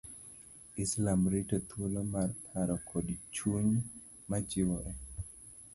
islam rito thwolo mar paro kod chuny majiwore